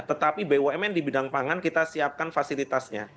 tetapi bumn di bidang pangan kita siapkan fasilitasnya